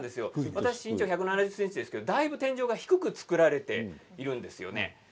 私は身長が１７０ｃｍですけれどもだいぶ天井が低く作られているんですよね。